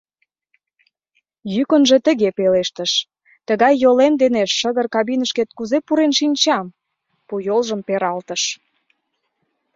Йӱкынжӧ тыге пелештыш: — Тыгай йолем дене шыгыр кабинышкет кузе пурен шинчам? — пу йолжым пералтыш.